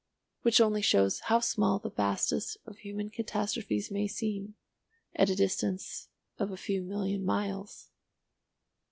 Which only shows how small the vastest of human catastrophes may seem, at a distance of a few million miles.